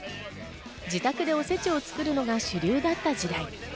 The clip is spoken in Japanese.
自宅でおせちを作るのが主流だった時代。